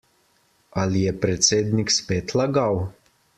Ali je predsednik spet lagal?